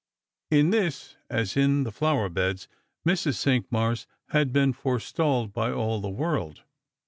In this, as in the flower beds, Mrs. Cinqmars had been forestalled by all the world.